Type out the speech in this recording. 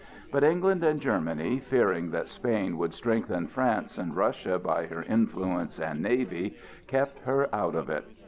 But England and Germany, fearing that Spain would strengthen France and Russia by her influence and navy, kept her out of it.